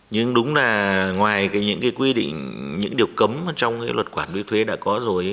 nhưng đúng là ngoài những cái quy định những điều cấm trong luật quản lý thuế đã có rồi